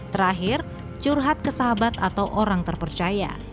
terakhir curhat ke sahabat atau orang terpercaya